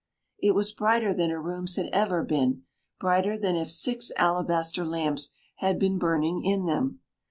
It was brighter than her rooms had ever been, brighter than if six alabaster lamps had been burning in them.